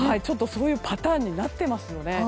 そういうパターンになっていますよね。